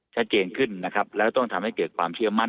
ชัดเจนขึ้นนะครับแล้วต้องทำให้เกิดความเชื่อมั่น